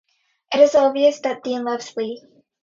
It is obvious that Dean loves Lee.